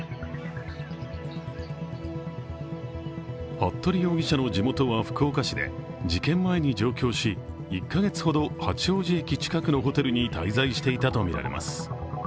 服部容疑者の地元は福岡市で事件前に上京し１カ月ほど八王子駅近くのホテルに滞在していたとみられます。